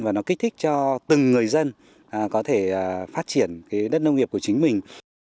và nó kích thích cho từng người dân có thể phát triển cái đất nông nghiệp của chính mình